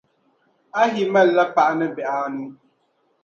Ahi mali la paɣa ni bihi anu.